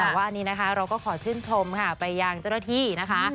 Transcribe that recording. แต่ว่าอันนี้นะคะเราก็ขอชื่นชมค่ะไปยังเจ้าหน้าที่นะคะ